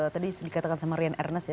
tadi sudah dikatakan sama ryan ernest ya